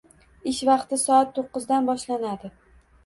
Ish vaqti soat to'qqizdan boshlanadi.